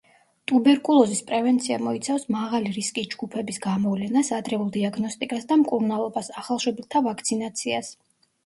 ტუბერკულოზის პრევენცია მოიცავს მაღალი რისკის ჯგუფების გამოვლენას, ადრეულ დიაგნოსტიკას და მკურნალობას, ახალშობილთა ვაქცინაციას.